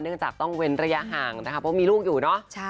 จากต้องเว้นระยะห่างนะคะเพราะมีลูกอยู่เนอะ